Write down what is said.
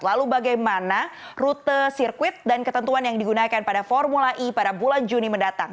lalu bagaimana rute sirkuit dan ketentuan yang digunakan pada formula e pada bulan juni mendatang